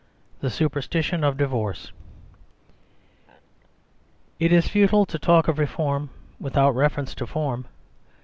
— The Superstition of Divorce IT is futile to talk of reform with refer ence to form.